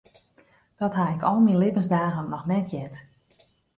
Dat ha ik al myn libbensdagen noch net heard.